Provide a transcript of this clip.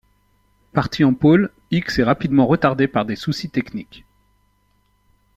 Parti en pole, Ickx est rapidement retardé par des soucis techniques.